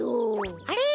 あれ？